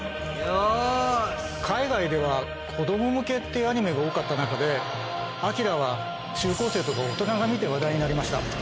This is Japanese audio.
海外では、子ども向けっていうアニメが多かった中で、ＡＫＩＲＡは中高生とか大人が見て話題になりました。